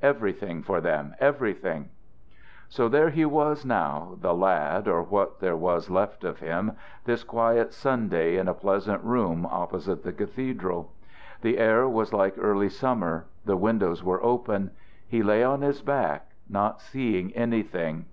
"Everything for them! Everything!" So there he was now, the lad, or what there was left of him, this quiet Sunday, in a pleasant room opposite the cathedral. The air was like early summer. The windows were open. He lay on his back, not seeing anything.